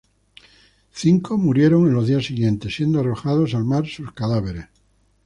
Cinco murieron en los días siguientes, siendo arrojados al mar sus cadáveres.